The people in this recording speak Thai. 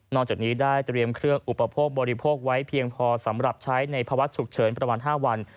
จากนี้ได้เตรียมเครื่องอุปโภคบริโภคไว้เพียงพอสำหรับใช้ในภาวะฉุกเฉินประมาณ๕วัน